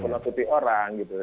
masalah orang gitu